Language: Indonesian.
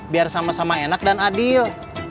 biar sama sama enak dan adil